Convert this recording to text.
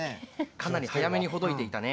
かなり早めにほどいていたね。